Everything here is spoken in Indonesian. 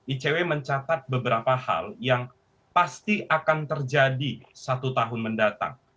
icw mencatat beberapa hal yang pasti akan terjadi satu tahun mendatang